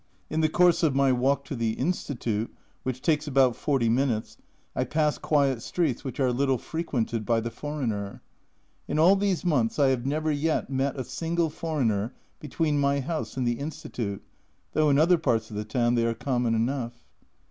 In the course of my walk to the Institute, which takes about forty minutes, I pass quiet streets which are little frequented by the foreigner. In all these months I have never yet met a single foreigner between my house and the Institute, though in other parts of the town they are common enough.